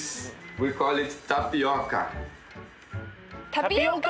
タピオカ！？